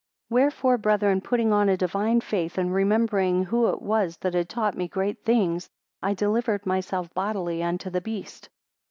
10 Wherefore, brethren, putting on a divine faith, and remembering who it was that had taught me great things, I delivered myself bodily unto the beast.